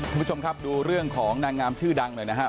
คุณผู้ชมครับดูเรื่องของนางงามชื่อดังหน่อยนะครับ